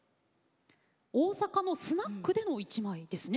大阪のスナックでの一枚ですね？